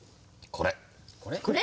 これ？